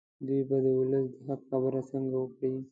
دوی به د ولس د حق خبره څنګه وکړي.